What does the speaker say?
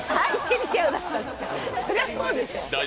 そりゃそうでしょう。